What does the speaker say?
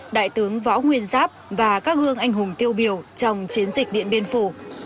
đại tướng võ nguyên giáp và các gương anh hùng tiêu biểu trong chiến dịch điện biên phủ